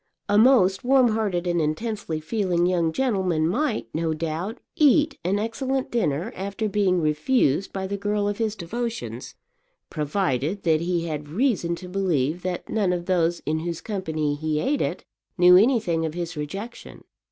A most warm hearted and intensely feeling young gentleman might, no doubt, eat an excellent dinner after being refused by the girl of his devotions, provided that he had reason to believe that none of those in whose company he ate it knew anything of his rejection.